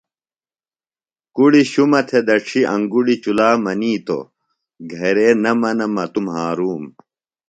کُڑیۡ شُمہ تھےۡ دڇھیۡ انگُڑیۡ چُلا منیتوۡ گھرے نہ منہ مہ توۡ مھارُوم